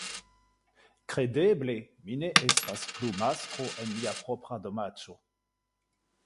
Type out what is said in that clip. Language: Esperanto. Kredeble, mi ne estas plu mastro en mia propra domaĉo!